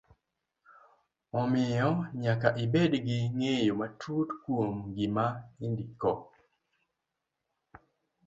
Omiyo, nyaka ibed gi ng'eyo matut kuom gima idndiko.